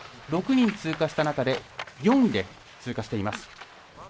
６人通過した中で４位で通過しています。